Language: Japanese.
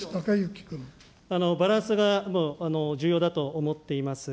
バランスが重要だと思っています。